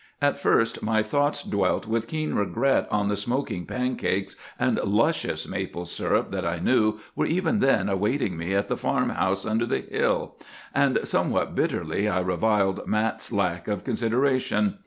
"At first my thoughts dwelt with keen regret on the smoking pancakes and luscious maple sirup that I knew were even then awaiting me at the farmhouse under the hill, and somewhat bitterly I reviled Mat's lack of consideration.